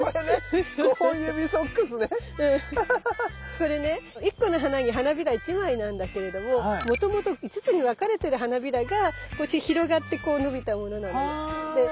これね１個の花に花びら１枚なんだけれどももともと５つに分かれてる花びらがこっち広がって伸びたものなのよ。